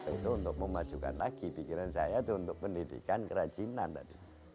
itu untuk memajukan lagi pikiran saya itu untuk pendidikan kerajinan tadi